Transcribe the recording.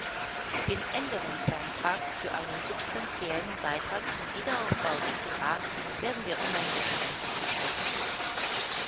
Den Änderungsantrag für einen substanziellen Beitrag zum Wiederaufbau des Irak werden wir uneingeschränkt unterstützen.